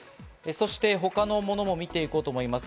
他のものも見て行こうと思います。